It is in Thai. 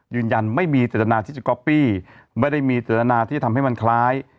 ยืนยันไม่มีเจตนาที่จะก๊อปปี้ไม่ได้มีเจตนาที่จะทำให้มันคล้าย